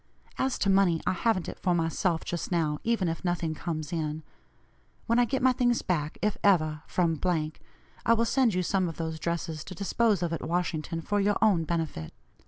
As to money, I haven't it for myself just now, even if nothing comes in. When I get my things back, if ever, from , I will send you some of those dresses to dispose of at Washington for your own benefit.